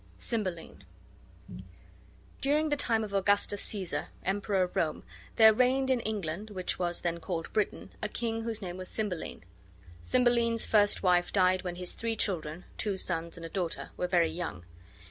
CYMBELINE During the time of Augustus Caesar, Emperor of Rome, there reigned in England (which was then called Britain) a king whose name was Cymbeline. Cymbeline's first wife died when his three children (two sons and a daughter) were very young.